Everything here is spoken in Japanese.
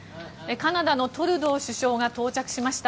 カナダのトルドー首相が到着しました。